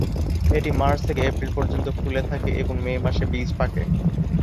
এটি মার্চ থেকে এপ্রিল পর্যন্ত ফুলে থাকে এবং মে মাসে বীজ পাকে।